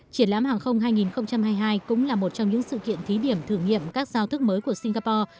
triển lãm hàng không hai nghìn hai mươi hai cũng là một trong những sự kiện thí điểm thử nghiệm các giao thức mới của singapore